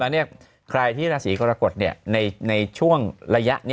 แล้วนี้ใครที่รัสสีกรกฏในช่วงรยะนี้